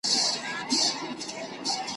څوک چی خپل کسب پرېږدي دا ور پېښېږي `